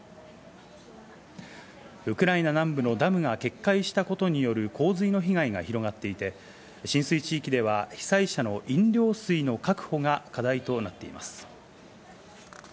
ウクライナ南部のダムが決壊したことによる洪水の被害が広がっていて、浸水地域では被災者の飲料水の確保が課題となっています。